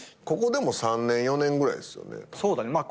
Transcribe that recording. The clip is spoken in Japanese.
ここでも３年４年ぐらいですよね。